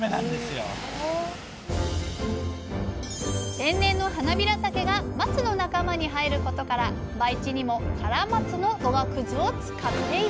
天然のはなびらたけが松の仲間に生えることから培地にもカラマツのおがくずを使っています。